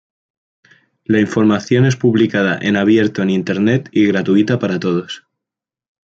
La información es publicada en abierto en internet y gratuita para todos.